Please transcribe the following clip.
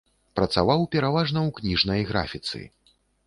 Працаваў пераважна ў кніжнай графіцы.